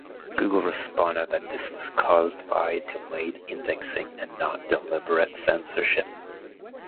Google responded that this was caused by delayed indexing and not deliberate censorship.